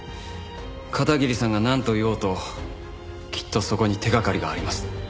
片桐さんがなんと言おうときっとそこに手掛かりがあります。